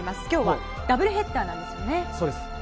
今日はダブルヘッダーなんですよね。